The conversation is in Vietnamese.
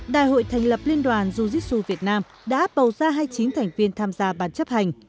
đại hội thành lập liên đoàn ju jitsu việt nam đã bầu ra hai mươi chín thành viên tham gia bán chấp hành